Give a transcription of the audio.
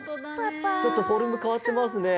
ちょっとフォルムかわってますね。